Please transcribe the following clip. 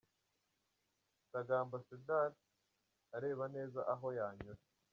Sagamba Sedar areba neza aho yanyura.